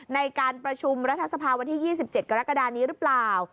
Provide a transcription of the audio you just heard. ในการประชุมรัฐสภาวันที่๒๗กรกฎานี้หรือเปล่า